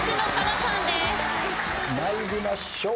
参りましょう。